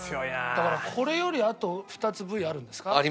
だからこれよりあと２つＶあるんですか？